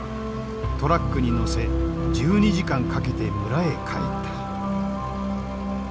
トラックに乗せ１２時間かけて村へ帰った。